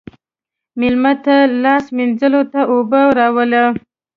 مېلمه ته لاس مینځلو ته اوبه راوله.